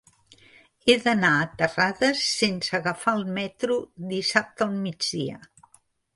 He d'anar a Terrades sense agafar el metro dissabte al migdia.